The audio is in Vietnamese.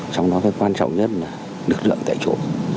trong đó cái quan trọng nhất là lực lượng tại chỗ